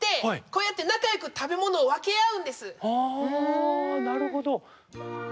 ああなるほど。